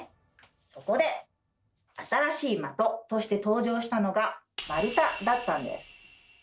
そこで新しいまととして登場したのが「丸太」だったんです。